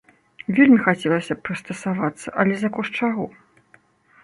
Вельмі хацелася б прыстасавацца, але за кошт чаго?